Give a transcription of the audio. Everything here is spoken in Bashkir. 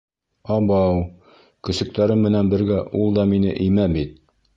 — Абау, көсөктәрем менән бергә ул да мине имә бит!